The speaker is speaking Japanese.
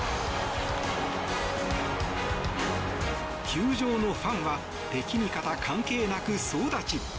球場のファンは敵味方関係なく総立ち。